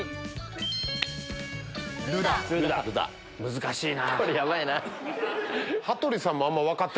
難しいなぁ。